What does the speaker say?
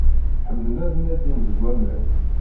Ḥemmlen ad nadin deg aman.